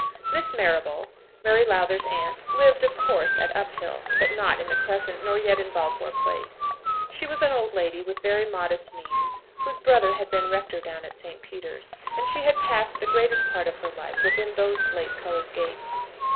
Miss Marrable, Mary Lowther's aunt, lived, of course, at Uphill; but not in the Crescent, nor yet in Balfour Place. She was an old lady with very modest means, whose brother had been rector down at St. Peter's, and she had passed the greatest part of her life within those slate coloured gates.